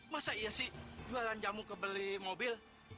masa iya sih jualan jamu kebeli mobil